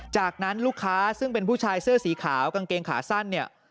จากนั้นลูกค้าซึ่งเป็นผู้ชายเสื้อสีขาวกางเกงขาสั้นเนี่ย